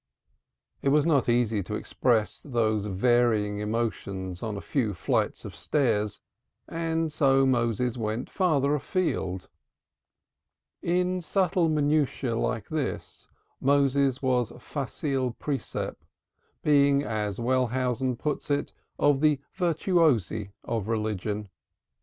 It was not easy to express these varying emotions on a few nights of stairs, and so Moses went farther afield, in subtle minutiae like this Moses was facile princeps, being as Wellhausen puts it of the virtuosi of religion.